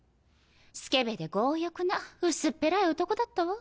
スケベで強欲な薄っぺらい男だったわ。